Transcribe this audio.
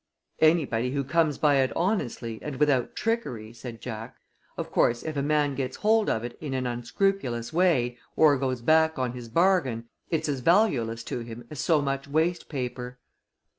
"Anybody who comes by it honestly and without trickery," said Jack. "Of course, if a man gets hold of it in an unscrupulous way, or goes back on his bargain, it's as valueless to him as so much waste paper."